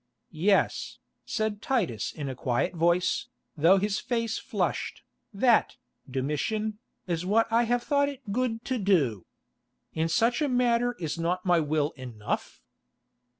"Yes," said Titus in a quiet voice, though his face flushed, "that, Domitian, is what I have thought it good to do. In such a matter is not my will enough?"